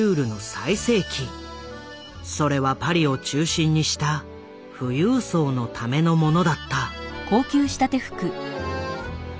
それはパリを中心にした富裕層のためのものだった。